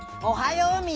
おはよう！